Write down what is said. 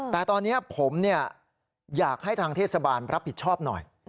แต่ตอนนี้ผมอยากให้ทางเทศบาลรับผิดชอบหน่อย